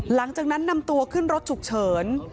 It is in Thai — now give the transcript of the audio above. หลังจากนั้นนำตัวขึ้นรถฉุกเฉิน